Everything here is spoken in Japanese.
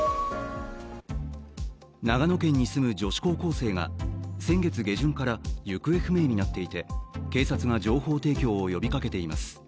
長野県に住む女子高校生が先月下旬から行方不明になっていて、警察が情報提供を呼びかけています。